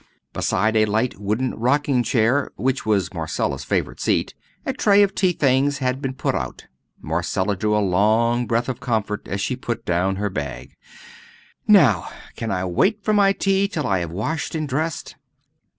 Beside a light wooden rocking chair, which was Marcella's favourite seat, a tray of tea things had been put out. Marcella drew a long breath of comfort as she put down her bag. "Now, can I wait for my tea till I have washed and dressed?"